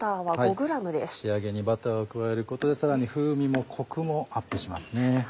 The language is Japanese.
仕上げにバターを加えることでさらに風味もコクもアップしますね。